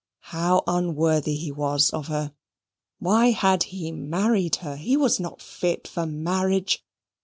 How unworthy he was of her. Why had he married her? He was not fit for marriage.